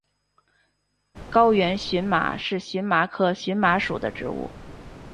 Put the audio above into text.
高原荨麻是荨麻科荨麻属的植物。